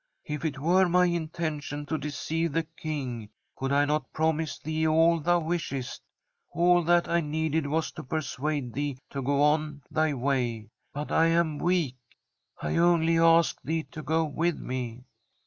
If it were my intention to deceive the King, could I not promise thee all thou wishest ? All that I needed was to persuade thee to go on thy way. But I am weak ; I only asked thee to go with me.'